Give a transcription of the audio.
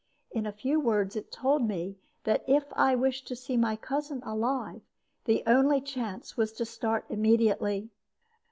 In few words it told me that if I wished to see my cousin alive, the only chance was to start immediately.